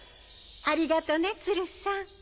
ありがとね鶴さん